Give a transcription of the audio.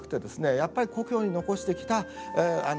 やっぱり故郷に残してきたおじいさん